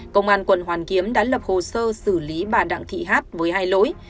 công an quận hoàn kiếm đã lập hồ sơ xử lý bà đặng thị hát với hai lỗi